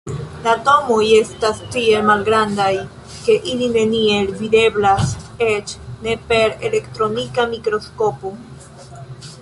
Atomoj estas tiel malgrandaj, ke ili neniel videblas, eĉ ne per elektronika mikroskopo.